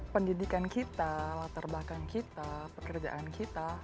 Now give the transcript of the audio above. pendidikan kita latar belakang kita pekerjaan kita